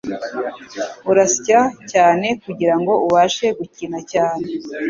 Urasya cyane kugirango ubashe gukina cyane.